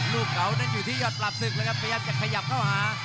ลูกเขานั่นอยู่ที่ยอดปรับศึกเลยครับขยับเข้าหา